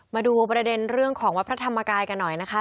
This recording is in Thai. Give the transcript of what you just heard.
มาดูประเด็นเรื่องของวัดพระธรรมกายกันหน่อยนะคะ